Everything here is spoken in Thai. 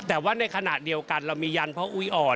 แต่ว่าในขณะเดียวกันเรามียันพระอุ้ยอ่อน